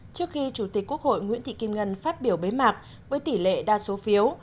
trước khi chủ tịch quốc hội nguyễn thị kim ngân phát biểu bế mạc với tỷ lệ đa số phiếu